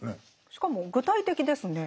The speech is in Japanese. しかも具体的ですね。